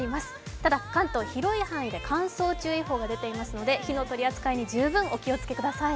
ただ、関東、広い範囲で乾燥注意報が出ていますので火の取り扱いに十分お気をつけください。